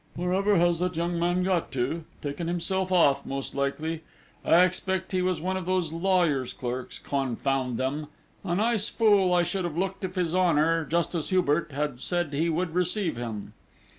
"Wherever has that young man got to? Taken himself off, most likely!... I expect he was one of those lawyer's clerks confound them! A nice fool I should have looked if his Honour, Justice Hubert, had said he would receive him!"